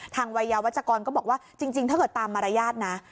วัยยาวัชกรก็บอกว่าจริงถ้าเกิดตามมารยาทนะ